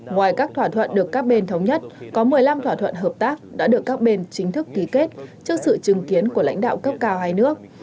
ngoài các thỏa thuận được các bên thống nhất có một mươi năm thỏa thuận hợp tác đã được các bên chính thức ký kết trước sự chứng kiến của lãnh đạo cấp cao hai nước